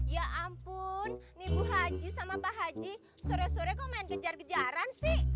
ya ampun nih ibu haji sama pak haji sore sore kok main kejar kejaran sih